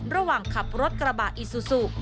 ระหว่างขับรถกระบะอิซูซู